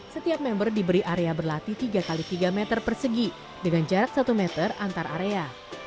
setiap member diberi area berlatih tiga x tiga meter persegi dengan jarak satu meter antar area